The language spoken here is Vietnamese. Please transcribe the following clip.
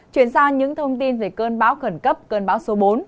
chuyển sang những thông tin về cơn báo khẩn cấp cơn báo số bốn